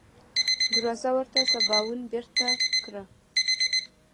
دروازه ورته سباوون بېرته کړه.